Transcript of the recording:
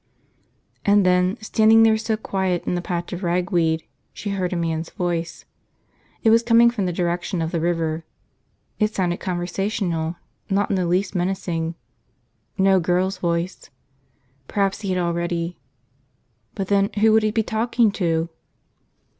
And then, standing there so quiet in the patch of ragweed, she heard a man's voice. It was coming from the direction of the river. It sounded conversational, not in the least menacing. No girl's voice. Perhaps he had already – but then who would he be talking to?